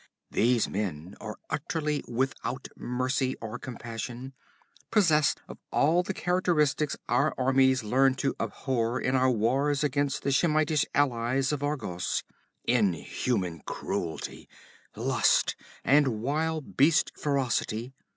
These men are utterly without mercy or compassion, possessed of all the characteristics our armies learned to abhor in our wars against the Shemitish allies of Argos inhuman cruelty, lust, and wild beast ferocity.